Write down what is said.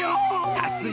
さすが。